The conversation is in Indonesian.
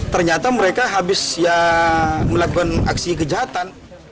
ternyata mereka habis ya melakukan aksi kejahatan